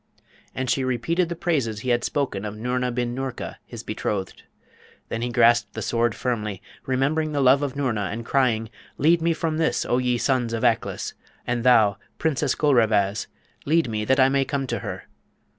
And she repeated the praises he had spoken of Noorna bin Noorka, his betrothed. Then he grasped the Sword firmly, remembering the love of Noorna, and crying, 'Lead me from this, O ye sons of Aklis, and thou, Princess Gulrevaz, lead me, that I may come to her.'